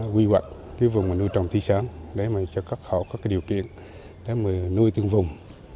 quy hoạch vùng nuôi trồng thủy sản để cho các hộ có điều kiện nuôi tương vùng